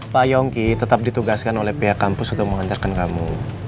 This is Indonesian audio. pak yongki tetap ditugaskan oleh pihak kampus untuk mengantarkan kamu